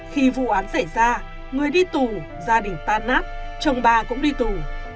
khi vụ án xảy ra người đi tù gia đình tan nát chồng bà cũng đi tù